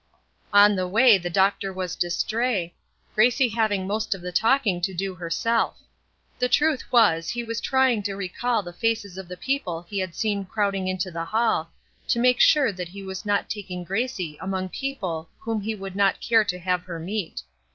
On the way the doctor was distrait, Gracie having most of the talking to do herself. The truth was, he was trying to recall the faces of the people he had seen crowding into the hall, to make sure that he was not taking Gracie among people whom he would not care to have her meet.